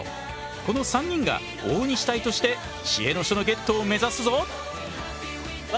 この３人が大西隊として知恵の書のゲットを目指すぞ。